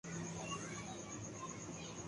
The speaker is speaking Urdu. اگر وہاں اتنا بڑا زلزلہ آ سکتا ہے۔